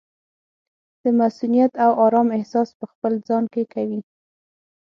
د مصؤنیت او ارام احساس پخپل ځان کې کوي.